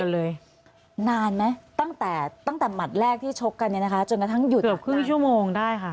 เลยนานไหมตั้งแต่ตั้งแต่หมัดแรกที่ชกกันเนี่ยนะคะจนกระทั่งหยุดอยู่ครึ่งชั่วโมงได้ค่ะ